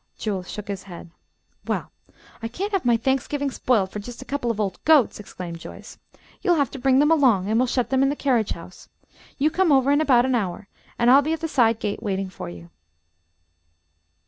Jules shook his head. "Well, I can't have my Thanksgiving spoiled for just a couple of old goats," exclaimed Joyce. "You'll have to bring them along, and we'll shut them up in the carriage house. You come over in about an hour, and I'll be at the side gate waiting for you."